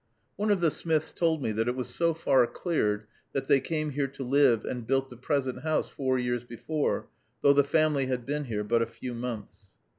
One of the Smiths told me that it was so far cleared that they came here to live and built the present house four years before, though the family had been here but a few months.